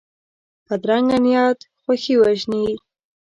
بدرنګه نیت خوښي وژني